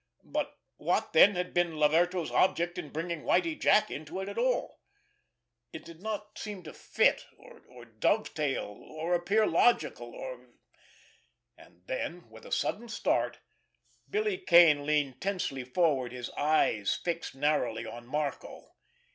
But what then had been Laverto's object in bringing Whitie Jack into it at all? It did not somehow seem to fit, or dovetail, or appear logical, or—— And then, with a sudden start, Billy Kane leaned tensely forward, his eyes fixed narrowly on Marco.